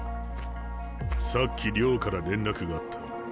さっき寮から連絡があった。